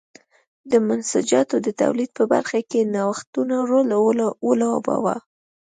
د منسوجاتو د تولید په برخه کې نوښتونو رول ولوباوه.